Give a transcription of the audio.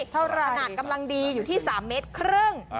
ขนาดกำลังดีอยู่ที่๓๕เมตร